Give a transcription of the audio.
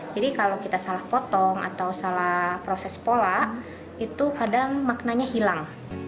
jadi kalau kita salah potong atau salah proses pola itu kadang maknanya hilang